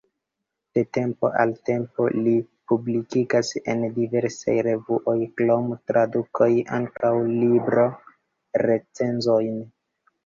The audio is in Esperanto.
De tempo al tempo li publikigas en diversaj revuoj, krom tradukoj, ankaŭ libro-recenzojn.